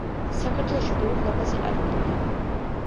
საქართველოში ბევრი ლამაზი ადგილია